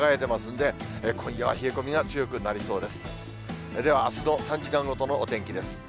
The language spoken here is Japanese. ではあすの３時間ごとのお天気です。